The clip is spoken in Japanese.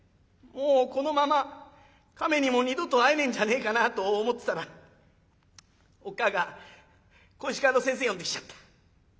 もうこのまま亀にも二度と会えねえんじゃねえかなと思ってたらおっ母ぁが小石川の先生呼んできちゃった。